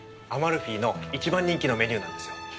アマルフィの一番人気のメニューなんですよ。